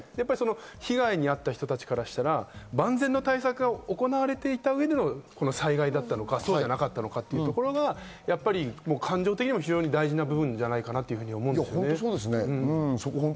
被害に遭った人たちからしたら、万全な対策が行われていた上での、この災害だったのか、そうではないのかというところが感情的にも非常に重要な部分じゃないかなと思いますね。